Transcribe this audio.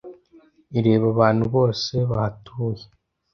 Ireba abantu bose bahatuye.